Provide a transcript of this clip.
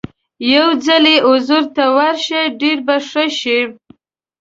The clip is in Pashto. یو ځل یې حضور ته ورشئ ډېر به ښه شي.